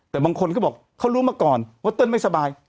แต่บางคนก็บอกเขารู้มาก่อนว่าเติ้ลไม่สบาย